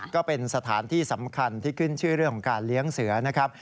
ก็เป็นสถานที่สำคัญที่ขึ้นชื่อเรื่องของการเลี้ยงเสือนะครับ